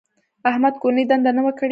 احمد کورنۍ دنده نه وه کړې.